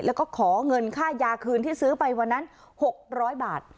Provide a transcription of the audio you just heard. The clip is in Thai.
แล้วก็ขอเงินค่ายาคืนที่ซื้อไปวันนั้น๖๐๐บาท